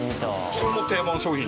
これも定番商品？